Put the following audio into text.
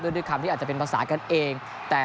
ด้วยความที่อาจจะเป็นภาษากันเอง